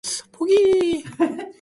吉沢君は、歌も書も碁もする人でした